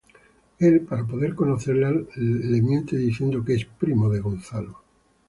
Él, para poder conocerla, le miente diciendo que es primo de Gonzalo.